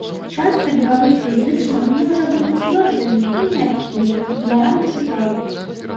Частка беларускіх зычных можа быць цвёрдымі і мяккімі, утвараючы пары.